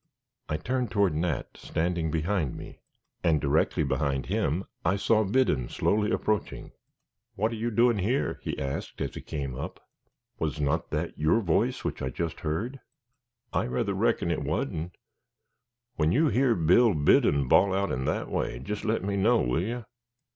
I turned toward Nat, standing behind me, and directly behind him I saw Biddon slowly approaching. "What are you doin' here?" he asked, as he came up. "Was not that your voice which I just heard?" "I rather reckon it wan't. When you hear Bill Biddon bawl out in that way, jist let me know, will yer?"